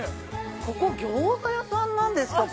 ここギョーザ屋さんなんですか？